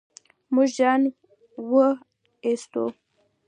موږ ځان و ايستو.